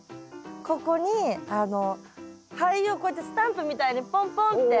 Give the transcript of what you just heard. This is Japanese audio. ここに灰をこうやってスタンプみたいにぽんぽんって。